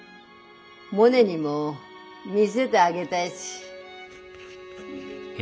モネにも見せであげだいし。